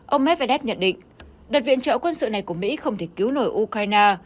ông medvedev nhận định đợt viện trợ quân sự này của mỹ không thể cứu nổi ukraine